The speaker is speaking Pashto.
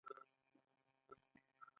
د موسی خیل کلی موقعیت